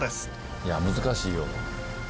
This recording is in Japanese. いや難しいよ。